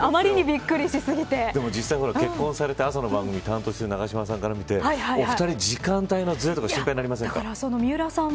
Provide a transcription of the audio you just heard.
実際、結婚されて朝の番組を担当してる永島さんから見て時間帯のずれとか気になりませんか。